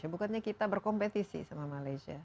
bukannya kita berkompetisi sama malaysia